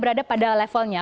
berada pada levelnya